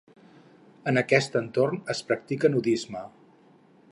En aquest entorn es practica nudisme.